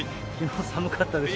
寒かったでしょ。